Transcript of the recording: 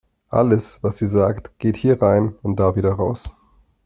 Alles, was sie sagt, geht hier rein und da wieder raus.